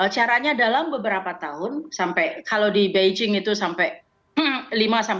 caranya dalam beberapa tahun sampai kalau di beijing itu sampai lima sampai